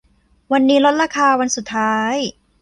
วันนี้ลดราคาวันสุดท้าย